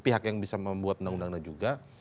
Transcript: pihak yang bisa membuat undang undang itu juga